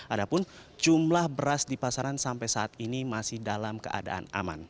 adapun jumlah beras di pasaran sampai saat ini masih dalam keadaan aman